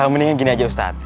mendingan gini aja ustadz